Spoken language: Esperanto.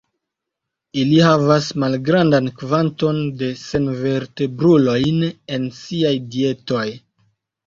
Ili havas malgrandan kvanton de senvertebrulojn en siaj dietoj.